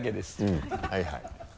うんはいはい。